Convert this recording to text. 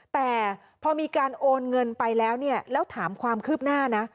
แต่พอมีการโอนเงินไปแล้วเนี่ยแล้วถามความคืบหน้านะ